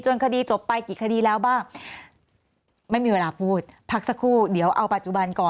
คดีจบไปกี่คดีแล้วบ้างไม่มีเวลาพูดพักสักครู่เดี๋ยวเอาปัจจุบันก่อน